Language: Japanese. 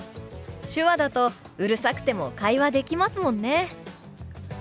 手話だとうるさくても会話できますもんね。